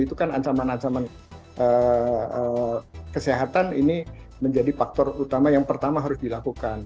itu kan ancaman ancaman kesehatan ini menjadi faktor utama yang pertama harus dilakukan